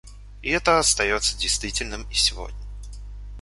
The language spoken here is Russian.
И это остается действительным и сегодня.